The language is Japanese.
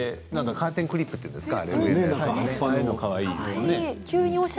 カーテンクリップっていうんですか？